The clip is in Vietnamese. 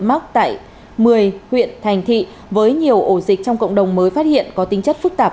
mắc tại một mươi huyện thành thị với nhiều ổ dịch trong cộng đồng mới phát hiện có tính chất phức tạp